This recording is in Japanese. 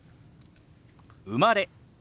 「生まれ」。